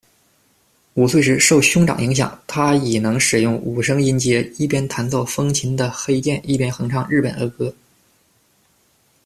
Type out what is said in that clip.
五岁时，受兄长影响，他已能使用五声音阶一边弹奏风琴的黑键一边哼唱日本儿歌。